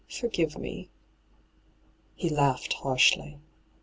' Foi^ive me !' He laughed, harshly.